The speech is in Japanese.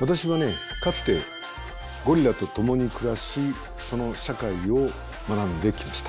私はねかつてゴリラと共に暮らしその社会を学んできました。